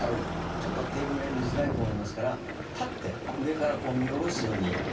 ちょっとテーブルの上見づらいと思いますから立って上からこう見下ろすように。